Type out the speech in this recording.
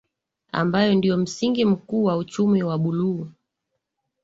ambayo ndio msingi mkuu wa uchumi wa Buluu